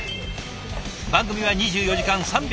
番組は２４時間３６５日